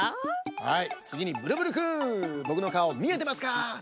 はいつぎにブルブルくんぼくのかおみえてますか？